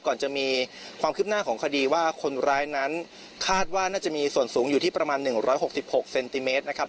ก่อนจะมีความคืบหน้าของคดีว่าคนร้ายนั้นคาดว่าน่าจะมีส่วนสูงอยู่ที่ประมาณ๑๖๖เซนติเมตรนะครับ